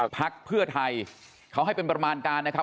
พักเพื่อไทยเขาให้เป็นประมาณการนะครับ